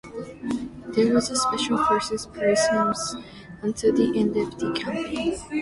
There was a special forces presence until the end of the campaign.